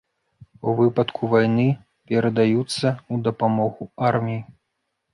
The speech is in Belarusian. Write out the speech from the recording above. У выпадку вайны перадаюцца ў дапамогу арміі.